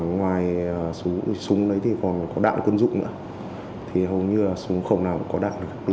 ngoài súng đấy thì còn có đạn quân dụng nữa thì hầu như súng không nào có đạn được